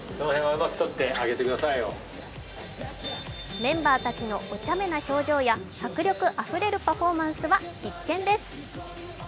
メンバーたちのおちゃめな表情や迫力あふれるパフォーマンスは必見です。